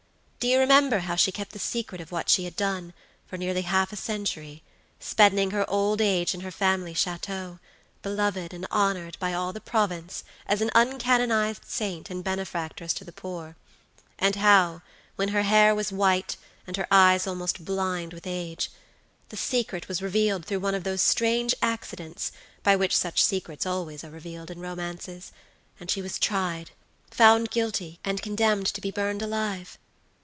Do you remember how she kept the secret of what she had done for nearly half a century, spending her old age in her family chateau, beloved and honored by all the province as an uncanonized saint and benefactress to the poor; and how, when her hair was white, and her eyes almost blind with age, the secret was revealed through one of those strange accidents by which such secrets always are revealed in romances, and she was tried, found guilty, and condemned to be burned alive?